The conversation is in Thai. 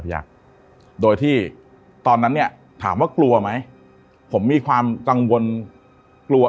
อยากโดยที่ตอนนั้นเนี่ยถามว่ากลัวไหมผมมีความกังวลกลัว